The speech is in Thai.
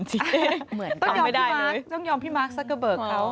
พี่มาร์คต้องยอมพี่มาร์คซะกระเบิกเขา